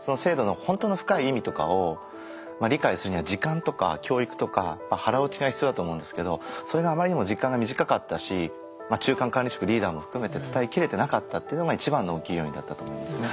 その制度のほんとの深い意味とかを理解するには時間とか教育とか腹落ちが必要だと思うんですけどそれがあまりにも時間が短かったし中間管理職リーダーも含めて伝えきれてなかったっていうのが一番の大きい要因だったと思いますね。